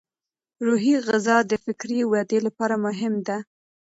روحي غذا د فکري ودې لپاره مهمه ده.